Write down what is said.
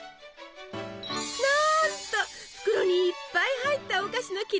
なんと袋にいっぱい入ったお菓子の切り落とし！